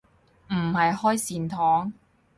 唔係開善堂